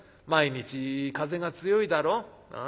毎日風が強いだろ。